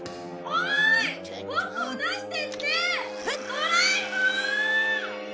ドラえもん！